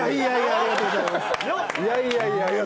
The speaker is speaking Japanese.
ありがとうございます。